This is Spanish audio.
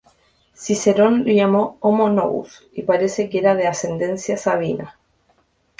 Cicerón lo llama "Homo Novus", y parece que era de ascendencia sabina.